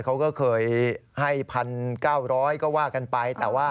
เขาก็เคยให้๑๙๐๐ก็ว่ากันไป